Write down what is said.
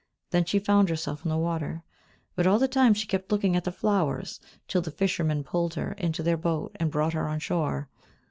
Then she found herself in the water, but all the time she kept looking at the flowers till the fishermen pulled her into their boat and brought her on shore.